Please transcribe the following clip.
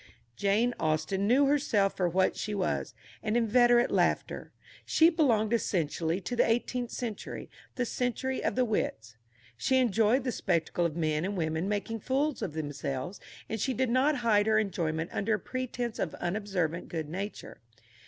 Jane Austen knew herself for what she was, an inveterate laugher. She belonged essentially to the eighteenth century the century of the wits. She enjoyed the spectacle of men and women making fools of themselves, and she did not hide her enjoyment under a pretence of unobservant good nature.